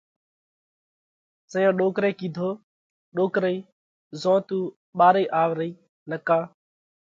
زئيون ڏوڪرئہ ڪيڌو: ڏوڪرئِي زون تُون ٻارئِي آوَ رئِي نڪا